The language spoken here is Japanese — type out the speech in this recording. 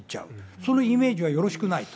そのイメージはよろしくないと。